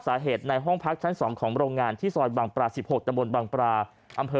สาเหตุในห้องพักชั้น๒ของโรงงานที่ซอยบางประ๑๖ตะบนบางประอำเภอ